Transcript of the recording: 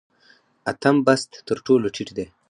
اتم بست تر ټولو ټیټ دی